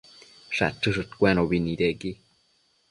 Shachëshëdcuenobi nidequi